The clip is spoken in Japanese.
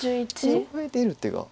そこへ出てる手が。